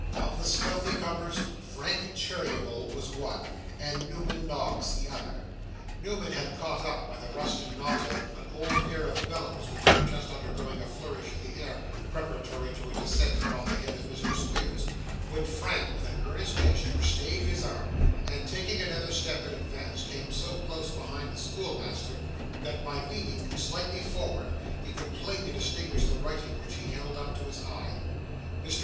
Of the stealthy comers, Frank Cheeryble was one, and Newman Noggs the other. Newman had caught up, by the rusty nozzle, an old pair of bellows, which were just undergoing a flourish in the air preparatory to a descent upon the head of Mr. Squeers, when Frank, with an earnest gesture, stayed his arm, and, taking another step in advance, came so close behind the schoolmaster that, by leaning slightly forward, he could plainly distinguish the writing which he held up to his eye. Mr.